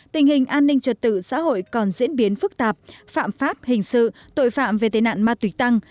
tình hình an ninh trật tự xã hội còn diễn biến phức tạp phạm pháp hình sự tội phạm về tên nạn ma túy tăng